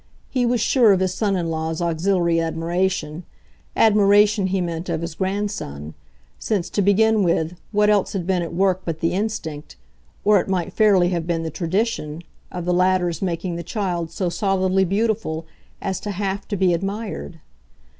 He was sure of his son in law's auxiliary admiration admiration, he meant, of his grand son; since, to begin with, what else had been at work but the instinct or it might fairly have been the tradition of the latter's making the child so solidly beautiful as to HAVE to be admired?